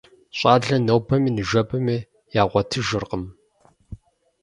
ЩӀалэр нобэми ныжэбэми ягъуэтыжыркъым.